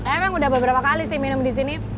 emang udah beberapa kali sih minum di sini